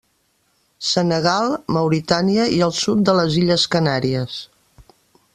Senegal, Mauritània i el sud de les Illes Canàries.